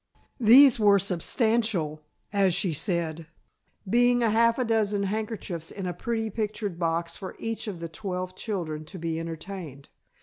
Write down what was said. These were substantial, as she said, being a half dozen handkerchiefs in a pretty pictured box for each of the twelve children to be entertained.